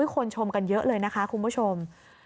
คนชมกันเยอะเลยนะคะคุณผู้ชม